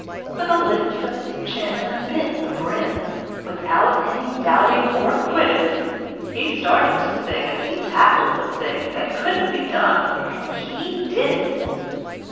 With a lift of his chin and a bit of a grin, Without any doubting or quiddit, He started to sing as he tackled the thing That couldn't be done, and he did it.